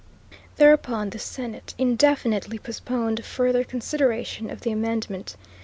Thereupon the Senate indefinitely postponed further consideration of the amendment.